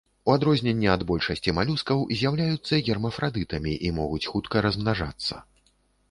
У адрозненне ад большасці малюскаў з'яўляюцца гермафрадытамі і могуць хутка размнажацца.